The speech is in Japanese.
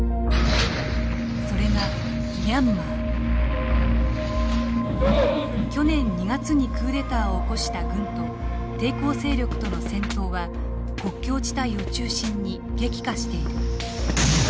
それが去年２月にクーデターを起こした軍と抵抗勢力との戦闘は国境地帯を中心に激化している。